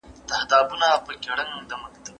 ملکي وګړي بهر ته د سفر ازادي نه لري.